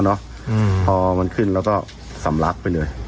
พอมันขึ้นแล้วก็สำลักไปเลย